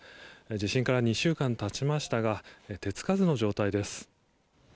地震から２週間たちましたが手つかずの状態です。